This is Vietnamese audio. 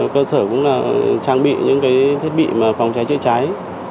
cơ sở cũng trang bị những thiết bị phòng cháy chữa cháy